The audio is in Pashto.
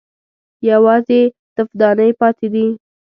_يوازې تفدانۍ پاتې دي.